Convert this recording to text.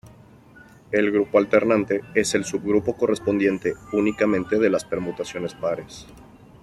El grupo alternante es el subgrupo correspondiente únicamente de las permutaciones pares.